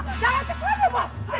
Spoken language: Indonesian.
pak jangan keselaluan pak